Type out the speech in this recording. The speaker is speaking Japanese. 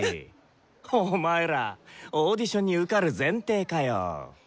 お前らオーディションに受かる前提かよ。